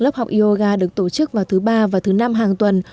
lớp học yoga được tổ chức vào thứ ba và thứ năm hàng tuần